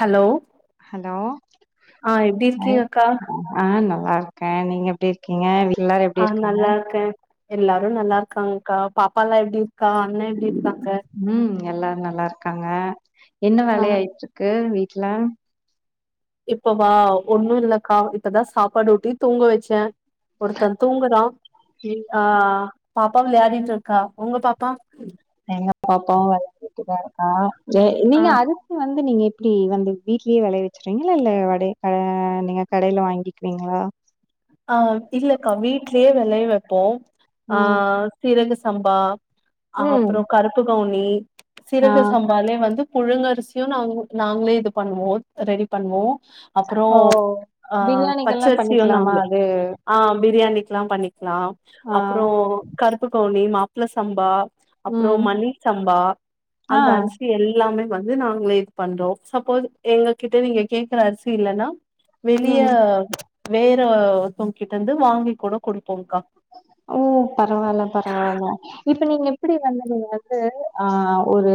Hello hello ஆ எப்டி இருக்கீங்கக்கா ஆ நல்லாருக்கே நீங்க எப்டி இருக்கீங்க வீட்லல்லாரும் எப்டி இருக்காங்க எல்லாரும் நல்லா இருக்காங்க்கா பாப்பால்லா எப்டி இருக்கா அண்ண எப்டி இருக்காங்க ம் எல்லாரும் நல்லா இருக்காங்க என்ன ஆ வேல ஆயிட்டு இருக்கு வீட்ல இப்பவ ஒன்னு இல்லக்கா இப்பதா சாப்பாடு ஊட்டி தூங்க வச்சே ஒருத்தன் தூங்குறா ஆ பாப்பா வெளாடிட்டு இருக்கா உங்க பாப்பா எங்க பாப்பாவு வெளையாடிட்டு தா இருக்கா ஆ நீங்க அது சி வந்து நீங்க எப்டி வந்து வீட்லயே வெளைய வச்சறீங்களா இல்ல வடை ஆ நீங்க கடையில வாங்கிக்வீங்களா ஆ இல்லக்கா வீட்லயே வெளைய வப்போ ஆ ம் சீரக சம்பா ம் அப்புற கருப்பு கவுனி ஆ சீரக சம் பாலயே வந்து புழுங்க அரிசியு நா நாங்களே இது பண்ணுவோ ரெடி பண்ணுவோ அப்புற ஓ ஆ பிரியாணிக்கெல்லா பச்சரிசியு பண்ணிக்கலாமா நாம்ளே அது ஆ பிரியாணிக்கிலா பண்ணிக்கலா ஆ அப்புற கருப்புகவுனி மாப்பிள்ள சம்பா அப்புற ம் மணி சம்பா ஆ அந்த அரிசி எல்லாமே வந்து நாங்களே இது பண்றோ சப்போஸ் எங்க கிட்ட நீங்க கேக்குற அரிசி இல்லன்னா வெளிய ம் வேற ஒருத்தவங்க்கிட்ட இருந்து வாங்கி கூட குடுப்போம்க்கா ஓ பரவால்ல பரவால்ல இப்ப நீங்க எப்டி வந்து நீங்க வந்து ஆ ஒரு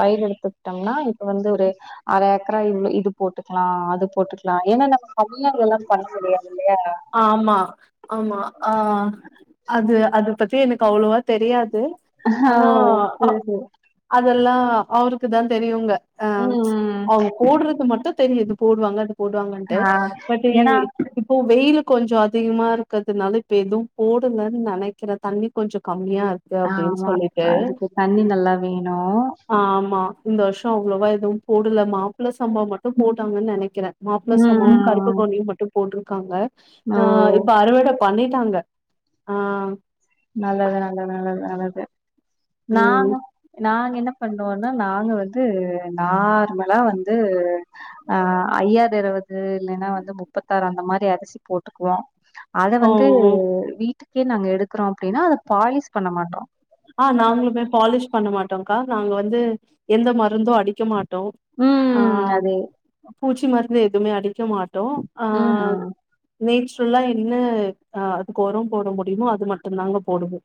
வயலு எடுத்துக்கிட்டோம்னா இப்ப வந்து ஒரு அர ஏக்கரா இவ்ளோ இது போட்டுக்கலா அது போட்டுக்கலா ஏன்னா நம்ம தனியா எல்லா பண்ண முடியாது இல்லையா ஆமா ஆமா ஆ அது அது பத்தி எனக்கு அவ்வளவா தெரியாது ஆ ஆனா ஓ அ சரி, சரி. அதெல்லா அவருக்கு தா தெரியுங்க அ ம், ம். அவங்க போடுறது மட்டு தெரியுது போடுவாங்க அ போடுவாங்கட்டு ஆ பட் ஏன்னா இப்போ வெயில் கொஞ்சோ அதிகமா இருக்கிறதுனால இப்ப எது போடலன்னு நெனைக்கிறே தண்ணி கொஞ்ச கம்மியா இருக் கு அப்டின்னு ஆமா. சொல்லிட்ட அதுக்கு தண்ணி நல்லா வேணும். ஆமா இந்த வருஷ அவ்வளோவா எதுவு போடல மாப்பிள்ள சம்பா மட்டு போட்டாங்கன்னு நெனைக்கிறே மாப்பள சம்பா கருப்பு ம். கவனியு மட்டு போட்ருக்காங்க ஓ! ஆ இப்ப அறுவட பண்ணிட்டாங்க ஆ நல்லது நல்லது நல்ல நல்லது ம் நானு நாங்க என்ன பண்ணுவோனா நாங்க வந்து நார்மலா வந்து ஆ ஐயாது இருவது இல்லன்னா வந்து முப்பத்தாறு அந்த மாரி அரிசி போட்டுக்குவோ அத ஓ வந்து ஓ! வீட்டுக்கே நாங்க எடுக்கறோ அப்டின்னா அத பாலிஷ் பண்ண மாட்டோ ஆ நாங்களுமே பாலிஷ் பண்ண மாட்டோம்க்கா நாங்க வந்து எந்த மருந்து அடிக்க மாட்டோ ஆ ம் அதே பூச்சி மருந்து எதுவுமே அடிக்க மாட்டோ ஆ ம் ம் நேச்சுரல்லா என்ன ஆ அதுக்கு ஒர போட முடியுமோ அது மட்டுந்தாங்க போடுவோ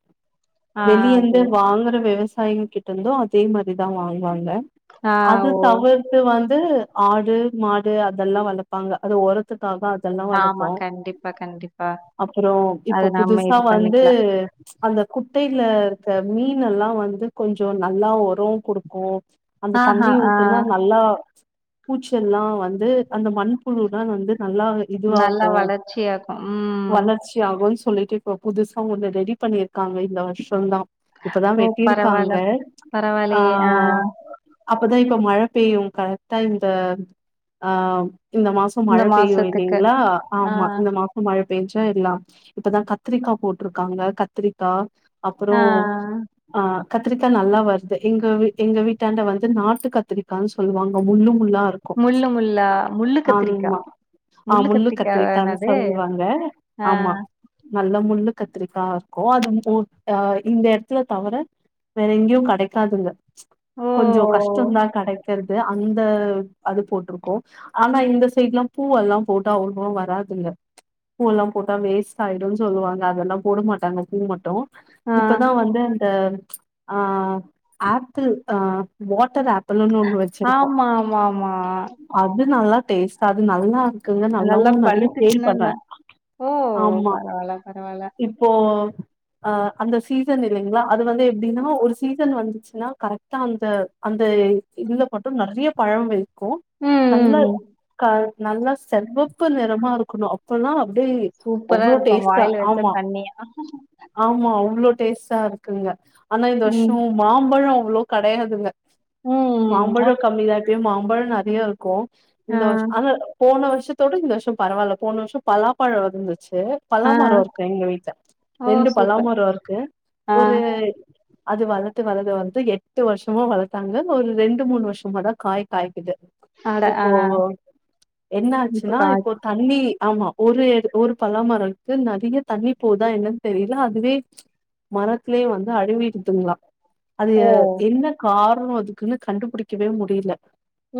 ஆ அது வெளியேந்து வாங்குற விவசாய்ங்க கிட்ட இருந்தோ அதே மாரிதா வாங்குவாங்க ஆ அது ஓ தவிர்த்து வந்து ஆடு மாடு அதெல்லா வளப்பாங்க அது ஒரத் துக்காக அதெல்லா ஆமா வளப்போ கண்டிப்பா கண்டிப்பா அப்பறோ இப்போ அது நம்ம புதுசா இது வந்து பண்ணிக்கலா அந்த குட்டையில இருக்க மீன்னெல்லா வந்து கொஞ்ச நல்லா ஒரோ குடுக்கு அந்த ஆஹா தண்ணி ஆ ஊத்தனா நல்லா பூச்ச எல்லா வந்து அந்த மண் புழு வந்து நல்லா நல்லா இதுவாகு வளர்ச்சியாகு ம் வளர்ச் சியாகுன் சொல்லிட்டு இப்ப புதுசா ஒன்னு ரெடி பண்ணியிருக்காங்க இந்த வருஷந்தா இப்பதா ஓ பரவால்ல வெட்டியிருக்காங்க ஆ அப்பதா இப்ப மழை பெய்யு கரெக்டா இந்த ஆ இந்த மாச இந்த மழை பெய்யு மாசத்துக்கு இல்லைங்களா ஆ ஆமா இந்த மாச மழை பெஞ்சா எல்லா இப்பதா கத்திரிக்கா போட்ருக்காங்க கத்திரிக்கா அப்பறோ ஆ ஆ கத்திரிக்கா நல்லா வருது எங்க எங்க வீட்டாண்ட வந்து நாட்டு கத்திரிக்கானு சொல்லுவாங்க முள்ளு முள்ளா இரு முள்ளு முள்ளா முள்ளு கத்திரிக்கா ஆ முள்ளு கத்திரிக்கா கத்திரிக்கானு என்னது சொல்லுவாங்க ஆ ஆமா நல்ல முள்ளு கத்திரிக்கா இருக்கு அது மு அ இந்த எடத்துல தவிர வேற எங்கயு கெடைக்காதுங்க ஓ கொஞ்ச கஷ்டந்தா கடைக்கிறது அந்த அது போட்ருக்கோ ஆனா இந்த சைட்ல்லா பூவெல்லா போட்டா அவ்ளவா வராதுங்க பூவெல்லா போட்டா வேஸ்ட் ஆயிடுனு சொல்லுவாங்க அதெல்லா போட மாட்டாங்க பூ மட்டு ஆ இப்பதா வந்து அந்த ஆ ஆப்பிள் ஆ வாட்டர் ஆப் பிள்ளுனுனு ஒன்னு வச்சிருக்கோ ஆமா ஆமா ஆமா அது நல்லா டேஸ்ட்டா அது நல்லா இருகுங்க நல்லாவு நல்லா நிறைய சேல் பழுத்துச்சுன்னா பண்ற என்ன ஓ ஆமா பரவால்ல பரவால்ல இப் இப்போ அ அந்த சீசன் இல்லைங்களா அது வந்து எப்டின்னா ஒரு சீசன் வந்துச்சுன்னா கரெக்ட் டா அந்த அந்த இதுல மட்டு நெறைய பழ வைக்கு ம் ம் நல்லா ம் கா நல்லா சிவப்பு நிறமா இருக்கணு அப்பல்லா அப்டியே சூப்பரா அவ்ளோ இருக்கு டேஸ்ட்டா வாயில வச்சா ஆமா தண்ணியா ஆமா அவ்வளோ டேஸ்ட்டா இருக்குங்க ஆனா இந்த வருசோ ம் மாம்பழம் அவ்வளோ கெடையாதுங்க ம் அ மாம்பழம் கம்மிதா இப்பயு மாம்பழம் நெறையா இருக்கு இந்த ஆ வரு ஆனா போன வருஷத்தோட இந்த வருஷ பரவால்ல போன வருஷ பலாப்பழம் வந்துச்சு ஆ பலாமரோ இருக்கு எங்க வீட்ல ஓ ரெண்டு சூப்பர் பலாமரம் இருக்கு. ஆ ஒரு அது வளத்து வளந்து வந்து எட்டு வருஷமா வளத்தாங்க ஒரு ரெண்டு மூணு வருஷமா தா காய் காய்க்குது. அட ஆ இப்போ என்ன இப்ப ஆச்சுன்னா இப்போ காச் தண்ணி ஆமா ஒரு ஒரு பலாமரோருக்கு நறைய தண்ணி போதா என்னன் தெரில அதுவே மரத்துலயே வந்து அழுவிடுத்துங்களா அது ஓ என்ன காரணோ அதுக்குன்னு கண்டுபுடிக்கவே முடில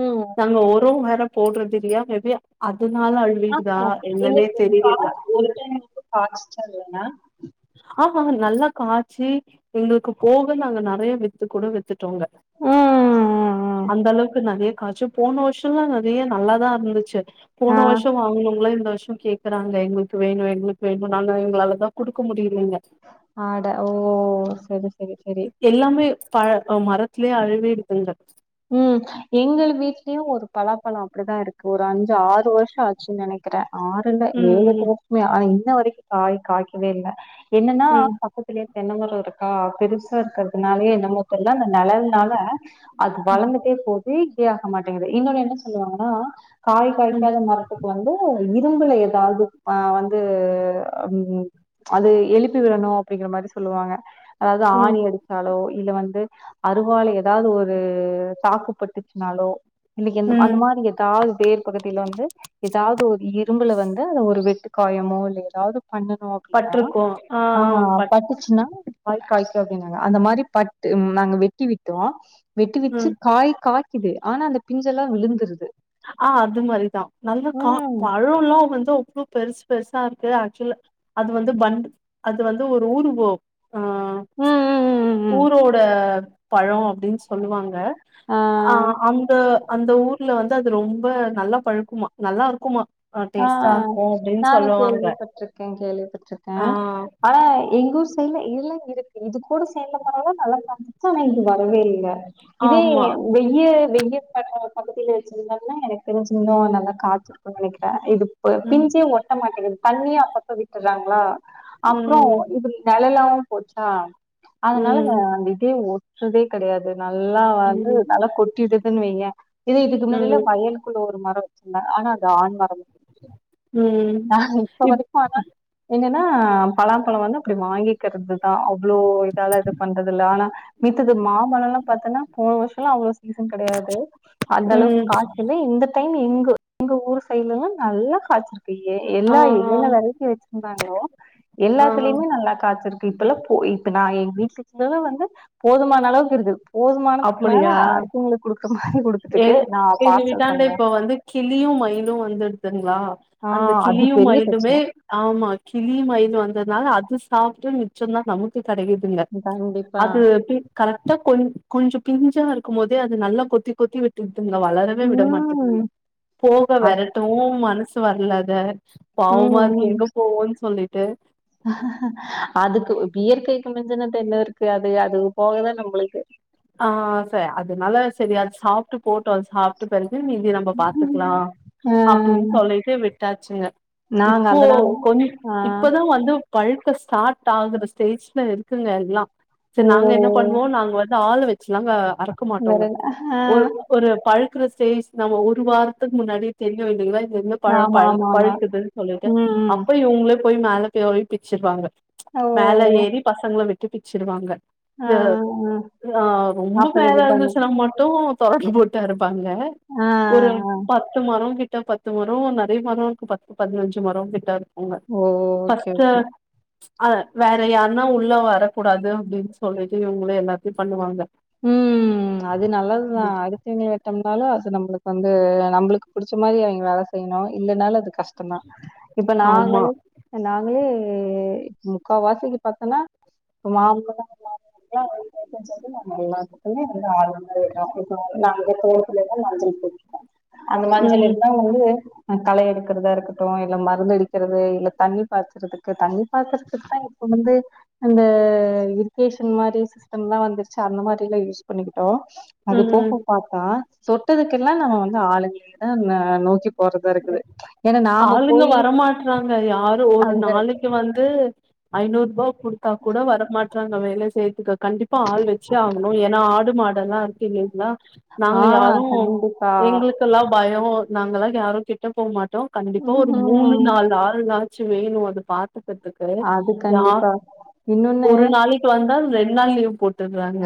ம் நாங்க ஒரு ஒரம் போட்றது இல்லையா மேபி அதுனால அழுவி ஆ ஹா எங்களுது வந்து காய்க்கோ ஒரு டைம் கூட காய்ச்சதில்லனா ஆமாங்க நல்லா காய்ச்சி எங்களுக்கு போக நாங்க நறைய வித்து கூட வி வித்துட்டோங்க ம் ம் ம் அந்த அளவுக்கு நறைய காய்ச்சி போன வருஷோலா நறைய நல்லாதா இருந்துச்சு போன வருஷோ வாங்குனவங்ளா இந்த வருஷோ கேக் கேக்கறாங்க எங்களுக்கு வேணு எங்களுக்கு வேணு நாங்க எங்களாலதா குடுக்க முடியில இங்க ஆட ஓ செரி செரி செரி எல்லாமேவ் பழோ மரத்துலயே அழுவிடுதுங்க ம் எங்கள் வீட்லயு ஒரு பலாப்பழோ அப்டிதா இருக்கு ஒரு அஞ்சு ஆறு வருஷோ ஆச்சு நெனைக் க்கிறே ஆறு இல்ல ஏழு எட்டு ம் வருஷமே ஆனா இன்ன வரைக்கும் காய் காய்க்கவே இல்ல என்னன்னா ம் பக்கத்துலேயை தென்ன மரோ இருக்கா பெருசா இருக்கறதுனாலயே என்னமோ தெரில அந்த நெழல்னால அது ம் வளந்துட்டே போது இதே ஆக மாட்டேங்குது இன்னொன்னு என்ன சொல்லுவாங்கன்னா காய் ம் காய்காய்காத மரத்துக்கு வந்து இரும்புல ஏதாவது வந்து ம் அது எழுப்பி விடணு அப்டிங்கிற மாரி சொல்லுவாங்க. அதாது ம் ஆணி அடிச்சாலோ இல்ல வந்து அறுவால ஏதாது ஒரு ஒரு சாக்குப்பட்டுச்சுனாலோ இன்னைக்கு எந்த ம் அந்த மாரி ஏதாது வேர் பகுதியில வந்து ஏதாது ஒரு இரும்புல வந்து அத ஒரு வெட்டு காயமோ இல்ல ஏதாது பண்ணணு ஆ ஆ பட்டு காய் காய்க்காது அப்டின்னாங்க அந்த மாரி பட்டு ம் நாங்க வெட்டி விட்டுவோ வெட்டிவெச்சு ம் காய் காய்கிது ஆனா அந்த பிஞ்செல்லா விழுந்துருது ஆ அது மாரிதா நல்லா கா ம் பழம்லா வந்து பெருசு பெருசா இருக்கு ஆக்சுவலா அது வந்து பண்டு அது வந்து ஒரு ஊரு கோ ஆ ம் ம் ம் ம் ஊரோட பழோ அப்டின்னு சொல்லுவாங்க. ஆ அ அந்த அந்த ஊர்ல வந்து வந்து அது ரொம்ப நல்லா பழுக்குமா நல்லா இருக்குமா அ ஆ டேஸ்ட்டா இருக்கும் அப்டின்னு நானு சொல்லுவாங்க. கேள்விப்பட்டிருக்கே கேள்விப்பட்டிருக்கே ஆ ஆனா எங்க ஊர் சைட்ல எல்லா இருக்கு இது கூட சேந்தனாலதா நல்லா இப்பவு நைட்டுக்கு வரவே இல்ல இதே ஆமா. வெய்ய வெய்ய ப பகுதியில வெச்சிருந்தாங்கன்னா எனக்கு தெரிஞ்சி இன்னு நல்லா காத்திருக்கு நெனைக்க இது அ ம். பிஞ்சே ஒட்ட மாட்டேங்குது தண்ணியா அப்பப்ப விட்டுறாங்ளா அப்றோ ம். இப்டி நெழலாவு போச்சா அதனால அ ம். அந்த இதே வெட்றதே கெடையாது நல்லா வந்து ம். நல்லா கொட்டிடுதுன்னு வையே இது இதுக்கு முன்னாடில்ல ம். வயல் குள்ள ஒரு மரோ வெச்சிருந்தங்க ஆனா அது ஆண் மரோ ம் ஆ இப்ப இப் வரைக்கும் அதா என்னன்னா பலாப்பழம் வந்து அப்டி வாங்கிக்கறதுதா அவ்ளோ இதாலா இது பண்றதுல்ல ஆனா மித்தது மாம்பழல்லா பாத்தன்னா போன வருஷோல அவ்ளோ இன்கம் கெடையாது அந்த அளவுக்கு ம். காசுமே இந்த டைம் எங்க எங்க ஊரு சைட்ல்லல்லா நல்லா காச்சிருக் இப்ப எ ஆ. எல்லா என்னென்ன வெரைட்டி வச்சிருந்தாங்களோ ஆ. எல்லாத்துலயுமே நல்லா காச்சிருக்கு இப்பல்லா போயி இப்ப நா எங்க வீட்ல சின்னதா வந்து போதுமான அளவுக்கு இருக்கு போதுமானத்துக்கு மேல அப்படியா? அடுத்தவங்களுக்கு குடுக்க மாரி குடுத்துருக்கு நா பார்சல் பண்ற கிளியு மயிலு வந்துருதுங்களா ஆ அந்த அது கிளியு பெரிய மயிலுமே பிரச்சனை. ஆமா கிளியு மயில் வந்ததுனால அது சாப்ட்டு மிச்சதா நமக்கு கெடைக்குது இல்ல கண்டிப்பா. அது ஒரு டி கரக்டா கொ கொஞ்சம் பிஞ்சா இருக்கும் போதே அது நல்லா கொத்தி கொத்தி வி ட்டுதுங்க வளரவே விட ம். மாட்டிங்கிதுங்க போக அ வெர ட்டவு மனசு வரல அத பாவமா ம், இருக்கு ம். எங்க போவோன்னு சொல்லிட்டு அதுக்கு இயற்கைக்கு மிஞ்சனதென்ன இருக்கு அது அது போகதா நம்மளுக்கு ஆ சரி அதனால சரி அது சாப் போட்டோ சாப்ட்ட பிறகு மீதி நம்ம பாத்துக்கலா ஆ அப்டின்னு சொல்லிட்டு விட் விட்டாச்சுங்க நாங்க இப்போ அதனால கொஞ் ஆ இப்பதா வந்து பழுக்க ஸ்டார்ட் ஆகுற ஸ்டேஜ்ல இருக்குங்க எல்லா சரி ஓ நாங்க என்ன பண்ணுவோ நாங்க வந் ஆள் வச்சுலாங்க அறுக்க வேற மாட்டோங்க என்ன ஆ ஒ ஒரு பழுக்கற ஸ்டேஜ் நம்ம ஒரு வாரத்துக்கு முன்னாடியே தெரியு இல்லைங்களா இது என்ன பழம் ஆமா பழு ஆமா ஆமா பழுக்குதுன்னு சொல்லிட்டு ம் ம் அப்ப இவுங்களே போய் மேல போய் பிச்சிப்பாங்க ஓ மேல ஏறி பசங்கள விட்டு பிச்சிருவாங்க ஆ மேலருக்கு ஆ ஆ ரொம்ப அப்புற மேல இது பண்ணு இருந்துச்சுனா மட்டு தொடரண்டு போட்டு அறுப்பாங்க ஆ ஒரு ஆ பத்து மரோ கிட்ட பத்து மரோ நெறைய மரோ இருக்கு பத்து பதினஞ்சு மரோ கிட்ட உங்க ஓ ஓகே ஃபஸ்ட்டு ஓகே அ வேற யாருன்னா உள்ள வரக்கூடாது அப்டின்னு சொல்லிட்டு இவங்களு எல்லாத்தியு பண்ணுவாங்க ம் அது நல்லதுதா அடுத்தவங்கள விட்டம்னால அது நம்மளுக்கு வந்து நம்மளுக்கு புடிச்ச மாரி அவிங்க வேல செய்யணு இல்லனாலு அது கஷ்டோதா இப்ப ஆமா நாங்களே நாங்களே முக்கா வாசிக்கு பாத்தனா ம [inaudible] எல்லாத்துக்குமே வந்து ஆளுங்க இருக்க [inaudible] அந்த மஞ்சள் ம் இருந்தா வந்து கள எடுக்கறதா இருக்கட்டு இல்ல மருந்து அடிக்கிறது இல்ல தண்ணி பாய்ச்சிறதுக்கு தண்ணி பாச்சிறதுக்கு தா இப்ப வந்து அந்த இரிகேஷன் மாரி சிஸ்டம்லா வந்துச் ச அந்த மாரில்லா யூஸ் பண்ணிக்கிட்டோ அது ம் போக பாத்தா சொட்டதுக்கெல்லா நம்ம வந்து ஆளுங்களேதா நோக்கி போறதா இருக்குது ஏன்னா நாம ஆளுங்க போய் வரமாட்றாங்க யாரு ஒரு அது கரெக்ட் நாளைக்கு வந்து ஐநூர்பா குடுத்தா கூட வரமா ச்சா அங்க வேல செய்யதுக்கு கண்டிப்பா ஆள் வச்சே ஆகணு ஏன்னா ஆடு மாடு எல்லா இருக்கீங்கியில்லையா நாங்க ஆஹ் யாரு கண்டிப்பா எங்களுக்கு இப்பல்லா பயோ நாங்கலா யாரு கிட்ட போ மாட்டோ கண்டிப்பா உம் ஒரு மூணு உம் நாலு ஆளு ச்சு வேணு அது பாத்துக்கத்துக்கு அது யா கண்டிப்பா இன்னொன்னு ஒரு நாளை க்கு வந்தா ரெண்டு நாள் லீவ் போட்டுட்றாங்க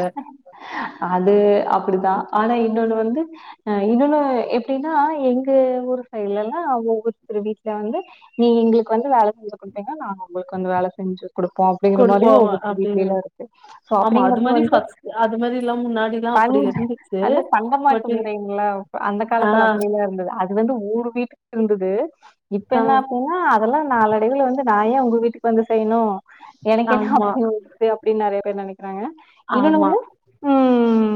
அது அப்டிதா ஆனா இன்னொன்னு வந்து அ இன்னொன்னு எப்டின்னா எங்க ஊரு சைட்லல்லா ஒவ்வொருத்தரு வீட்ல வந்து நீங்க எங்களுக்கு வந்து வேல செஞ்சு குடுத்தீங்னா நாங்க ஒங்களுக்கு வந்து வேல செஞ்சு குடுப்போ அப்டிங்கிற கொடுப்போ மாரியு ஒவ்வொருத்தர் அப்டின்னு வீட்லைலா இருக்கு சோ ஆமா அப்டிங்ற அது மாரி வந்து ஃபஸ்ட் அது மாரில்லா முன்னாடில்லா பண் அப்டி இருந்துச்சு அது என்ன பண்டமாற்று பட் முறைங்லா அப்ப அந்த ஆ காலத்துல அப்டியெல்லா இருந்துது அது வந்து ஒவ்வொரு வீட்டுக்கு இருந்துது இப்ப ஆ என்ன அப்டி னா அதெல்லா நாளடைவுல வந்து நா ஏ உங்க வீட்டுக்கு வந்து செய்னு எனக்கு என்ன ஆமா அப்டி வந் து அப்டின்னு நெறைய பேர் நெனைக்கிறாங்க இன்னொன்னு ஆமா வந்து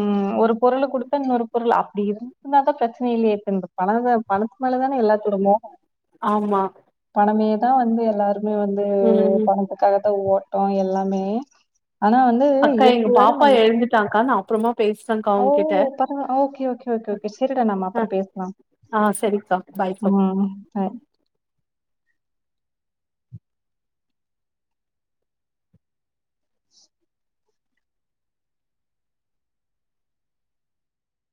ம் ஒரு பொருளு குடுத்தா இன்னொரு பொருள் அப்டி இருந்துருந்தா தா பிரச்சன இல்லயே இப்ப இந்த பணத்த பணத்து மேலதான எல்லாத்தூரமு ஆமா பணமேதா வந்து எல்லாருமே வந்து ம் பணத் துக்காகதா ஓட்டோ எல்லாமே ஆனா வந்து அக்கா எ எங்க பாப்பா வெறுமை எழுந்துட்டாக்கா நா அப்புறமா பேசுறேன்க்கா ஓ உங்ககிட்ட பராவா ஓகே ஓகே ஓகே செரி சேரிடா நம்ம ஆ அப்றோ பேசலா ஆ சரிக்கா பாய்க்கா ஆ பாய்